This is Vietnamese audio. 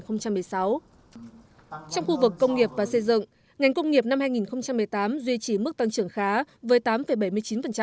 trong khu vực công nghiệp và xây dựng ngành công nghiệp năm hai nghìn một mươi tám duy trì mức tăng trưởng khá với tám bảy mươi chín